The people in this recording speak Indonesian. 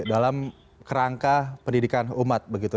dalam kerangka pendidikan umat begitu